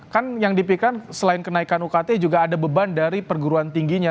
kan yang dipikirkan selain kenaikan ukt juga ada beban dari perguruan tingginya